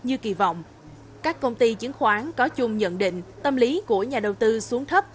như kỳ vọng các công ty chứng khoán có chung nhận định tâm lý của nhà đầu tư xuống thấp